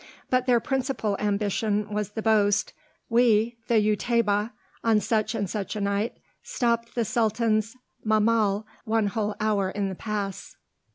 But their principal ambition was the boast "We, the Utaybah, on such and such a night stopped the Sultan's mahmal one whole hour in the pass."